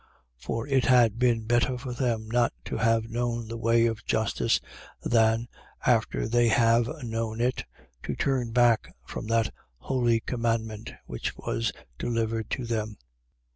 2:21. For it had been better for them not to have known the way of justice than, after they have known it, to turn back from that holy commandment which was delivered to them.